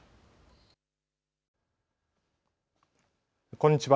こんにちは。